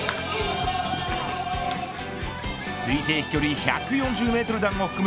推定飛距離１４０メートル弾も含む